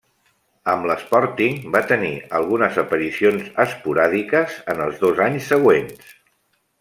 Amb l'Sporting va tenir algunes aparicions esporàdiques en els dos anys següents.